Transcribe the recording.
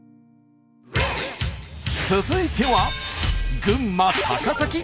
続いては群馬高崎。